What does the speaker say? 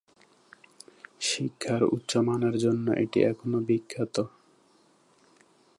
শিক্ষার উচ্চমানের জন্য এটি এখনো বিখ্যাত।